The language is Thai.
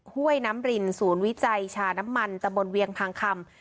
ห้วยน้ำรินศูนย์วิจัยชาน้ำมันตะบนเวียงพางคำ